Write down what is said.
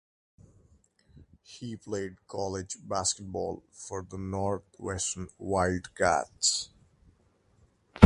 He played college basketball for the Northwestern Wildcats.